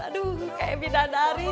aduh kayak bidadari